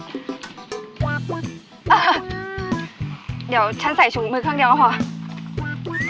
เดี๋ยวฉันใส่ถุงมือข้างเดียวค่ะ